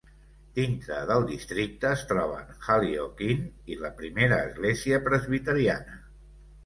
Dintre del districte es troben Halliock Inn i la Primera Església Presbiteriana.